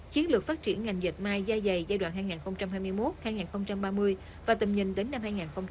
chiến lược phát triển ngành dịch mai gia dày giai đoạn hai nghìn hai mươi một hai nghìn ba mươi và tầm nhìn đến năm hai nghìn ba mươi năm